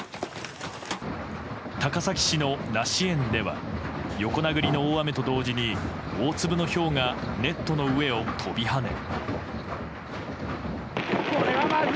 高崎市の梨園では横殴りの大雨と同時に大粒のひょうがネットの上を飛び跳ね。